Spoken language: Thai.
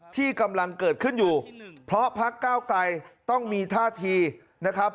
ที่กำลังเกิดขึ้นอยู่เพราะพักเก้าไกลต้องมีท่าทีนะครับ